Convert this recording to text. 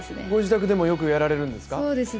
御自宅でもよくやられるんですか？